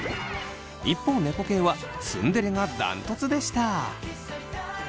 一方猫系はツンデレがダントツでした！